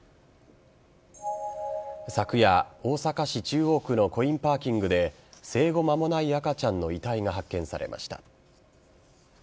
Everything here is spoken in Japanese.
昨夜、大阪市中央区のコインパーキングで生後間もない赤ちゃんの遺体が発見されました。